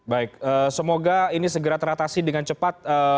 baik semoga ini segera teratasi dengan cepat